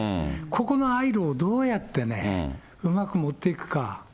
ここのあい路をどうやってうまくもっていくか。